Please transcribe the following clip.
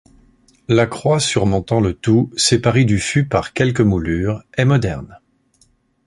La croix surmontant le tout, séparée du fût par quelques moulures, est moderne.